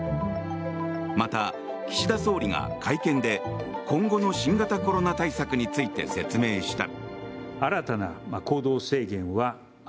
また岸田総理が会見で今後の新型コロナ対策について説明した。